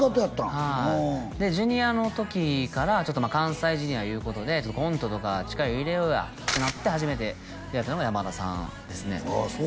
はいジュニアの時からちょっとまあ関西ジュニアいうことでコントとか力入れようやってなって初めて出会ったのがやまださんですねああそう